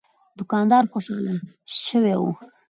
دوکاندار خوشاله شوی و.